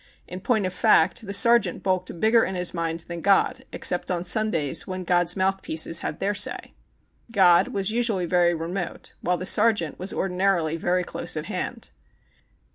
In point of fact, the sergeant bulked bigger in his mind than God, except on Sundays when God's mouthpieces had their say. God was usually very remote, vvhile the sergeant was ordinarily very close at hand.